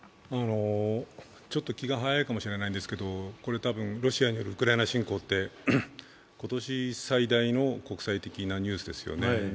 ちょっと気が早いかもしれないんですけどロシアによるウクライナ侵攻って、今年最大の国際的なニュースですよね。